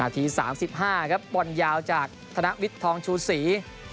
อาทีสามสิบห้าครับบอลยาวจากธนวิทย์ทองชูศรี